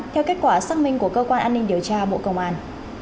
theo kết quả xác minh của cơ quan an ninh điều tra bộ công an